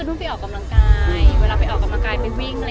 เอออย่างไรคะพี่ปี่นูนไปเจอกันอย่างไร